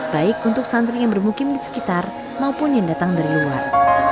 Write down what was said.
baik untuk santri yang bermukim di sekitar maupun yang datang dari luar